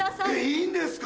いいんですか？